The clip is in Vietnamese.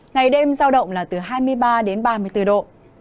ngày đêm giao động là từ hai mươi ba đến ba mươi bốn độ